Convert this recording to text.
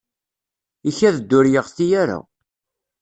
Ikad-d ur yeɣti ara.